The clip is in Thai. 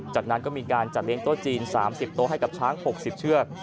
จากนั้นก็มีการจัดเลี้ยโต๊ะจีน๓๐โต๊ะให้กับช้าง๖๐เชือก